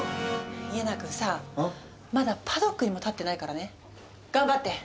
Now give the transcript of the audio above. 家長くんさあまだパドックにも立ってないからね頑張って。